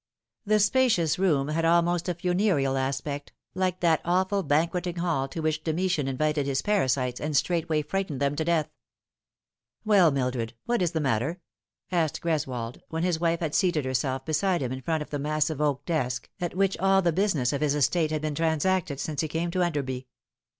The spacious room had almost a funereal aspect, like that awful banqueting hall to which Domitian invited his parasites and straightway frightened them to death. " Well, Mildred, whai is the matter ?" asked Greswold, when his wife had seated herself beside him in front of the massive oak desk at which all the business of his estate had been trans acted since he came to Enderby.